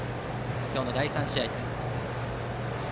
今日の第３試合です。